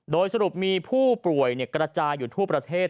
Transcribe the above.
โดยสรุปมีผู้ป่วยกระจายอยู่ทั่วประเทศ